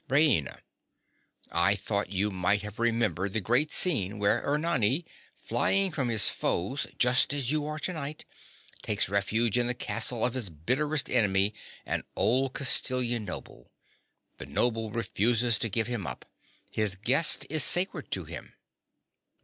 RAINA. I thought you might have remembered the great scene where Ernani, flying from his foes just as you are tonight, takes refuge in the castle of his bitterest enemy, an old Castilian noble. The noble refuses to give him up. His guest is sacred to him.